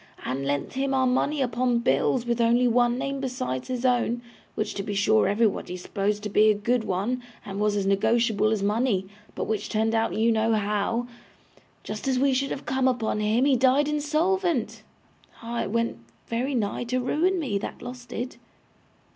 And lent him our money upon bills, with only one name besides his own, which to be sure everybody supposed to be a good one, and was as negotiable as money, but which turned out you know how. Just as we should have come upon him, he died insolvent. Ah! it went very nigh to ruin me, that loss did!